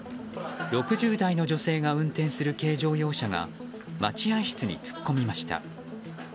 ６０代の女性が運転する軽乗用車が待合室に突っ込みました。